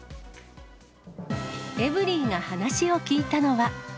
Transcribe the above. エブリィが話を聞いたのは。